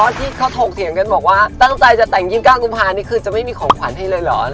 ที่เขาถกเถียงกันบอกว่าตั้งใจจะแต่ง๒๙กุมภานี่คือจะไม่มีของขวัญให้เลยเหรอ